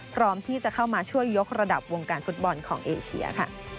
พร้อมที่จะเข้ามาช่วยยกระดับวงการฟุตบอลของเอเชียค่ะ